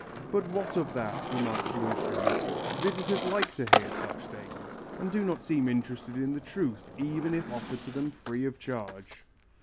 "But what of that," remarks Lucian, "visitors like to hear such things, and do not seem interested in the truth even if offered to them free of charge."